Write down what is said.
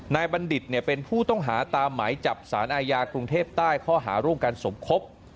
บัณฑิตเป็นผู้ต้องหาตามหมายจับสารอาญากรุงเทพใต้ข้อหาร่วมกันสมคบ